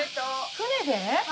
船で？